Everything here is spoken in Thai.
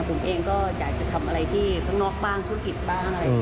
ผมเองก็อยากจะทำอะไรที่ข้างนอกบ้างธุรกิจบ้างอะไรอย่างนี้